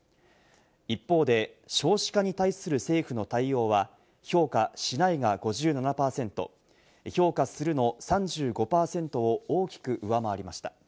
一方で少子化に対する政府の対応は、評価しないが５７％、評価するの３５％を大きく上回りました。